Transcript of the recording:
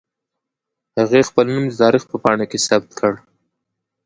هغې خپل نوم د تاریخ په پاڼو کې ثبت کړ